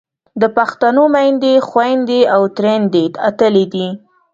د پښتنو میندې، خویندې او ترېیندې اتلې دي.